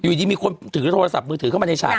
อยู่ดีมีคนถือโทรศัพท์มือถือเข้ามาในฉาก